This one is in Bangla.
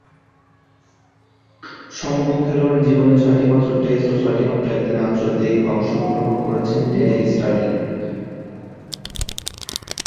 সমগ্র খেলোয়াড়ী জীবনে ছয়টিমাত্র টেস্টে ও ছয়টিমাত্র একদিনের আন্তর্জাতিকে অংশগ্রহণ করেছেন ডেরেক স্টার্লিং।